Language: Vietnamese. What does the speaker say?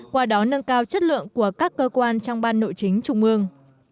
qua đó nâng cao chất lượng của các cơ quan trong ban nội chính trung ương